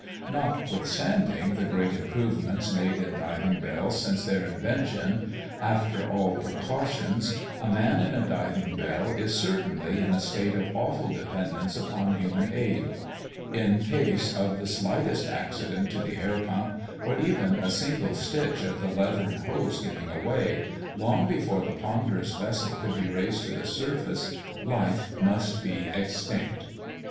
Notwithstanding the great improvements made in diving bells since their invention, after all precautions, a man in a diving bell is, certainly, in a state of awful dependence upon human aid: in case of the slightest accident to the air pump, or even a single stitch of the leathern hose giving way, long before the ponderous vessel could be raised to the surface, life must be extinct."